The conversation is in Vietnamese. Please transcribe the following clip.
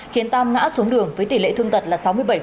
khiến tam ngã xuống đường với tỷ lệ thương tật là sáu mươi bảy